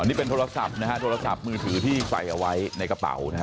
นี่เป็นโทรศัพท์นะฮะโทรศัพท์มือถือที่ใส่เอาไว้ในกระเป๋านะฮะ